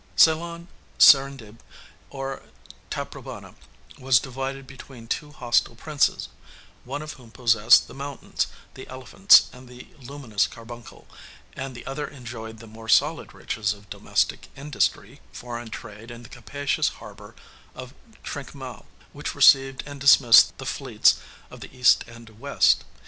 Ceylon, Serendib, or Taprobana, was divided between two hostile princes; one of whom possessed the mountains, the elephants, and the luminous carbuncle, and the other enjoyed the more solid riches of domestic industry, foreign trade, and the capacious harbor of Trinquemale, which received and dismissed the fleets of the East and West.